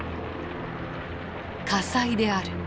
火災である。